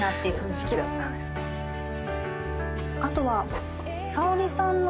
あとは。